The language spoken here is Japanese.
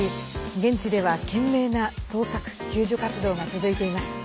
現地では懸命な捜索救助活動が続いています。